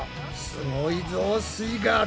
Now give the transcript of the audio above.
すごいぞすイガール！